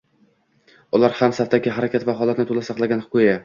Ular ham, safdagi harakat va holatni to‘la saqlagan ko‘yi